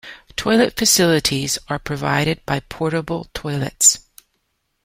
Toilet facilities are provided by portable toilets.